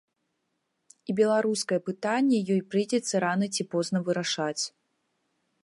І беларускае пытанне ёй прыйдзецца рана ці позна вырашаць.